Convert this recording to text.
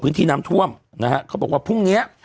พื้นที่น้ำท่วมนะฮะเขาบอกว่าพรุ่งเนี้ย